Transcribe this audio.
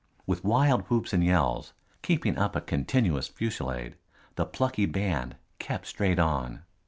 With wild whoops and yells, keeping up a continuous fusillade, the plucky band kept straight on.